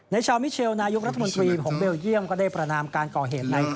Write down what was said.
ในชาวมิเชลนายุครัฐมนตรีของเบลเยี่ยมก็ได้ประนำการก่อเหตุในครั้งนี้